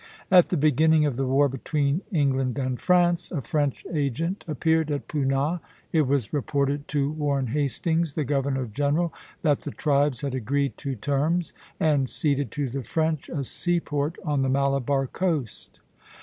At the beginning of the war between England and France, a French agent appeared at Poonah. It was reported to Warren Hastings, the Governor General, that the tribes had agreed to terms and ceded to the French a seaport on the Malabar coast.